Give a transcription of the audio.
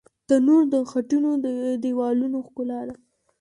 تنور د خټینو دیوالونو ښکلا ده